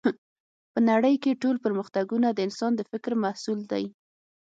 په نړۍ کې ټول پرمختګونه د انسان د فکر محصول دی